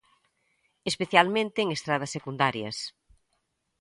Especialmente en estradas secundarias.